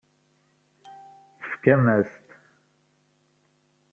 Tefkam-as-t.